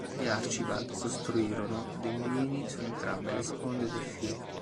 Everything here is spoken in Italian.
Gli Archibald costruirono dei mulini su entrambe le sponde del fiume.